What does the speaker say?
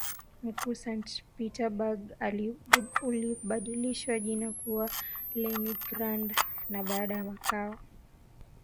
mkuu Sant Peterburg ulibadilishwa jina kuwa Leningrad na baadaye makao